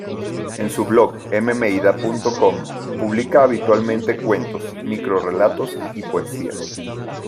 En su blog mmeida.com publica habitualmente cuentos, microrrelatos y poesía.